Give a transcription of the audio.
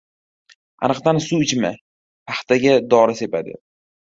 — Ariqdan suv ichma — paxtaga dori sepadi!